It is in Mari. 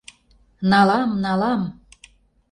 Налам, налам!